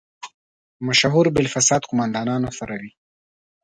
مشهور بالفساد قوماندانانو سره وي.